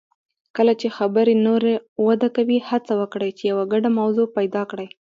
کله چې خبرې نوره وده کوي، هڅه وکړئ چې یو ګډه موضوع پیدا کړئ.